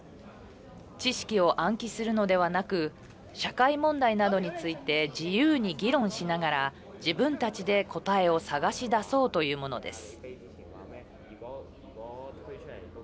知識を暗記するのではなく社会問題などについて自由に議論しながら自分たちで答えを探し出そうというものです。